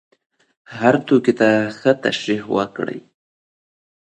هر توکي ته ښه تشریح وکړه.